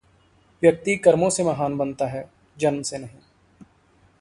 “व्यक्ति कर्मों से महान बनता है, जन्म से नहीं।